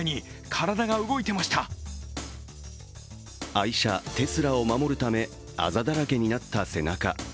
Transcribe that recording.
愛車テスラを守るため、あざだらけになった背中。